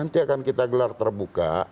nanti akan kita gelar terbuka